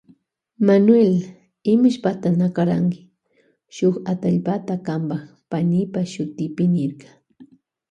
Imashpata na karanki shuk atallpata kanpa y panipa shutipi niyrka Manuel.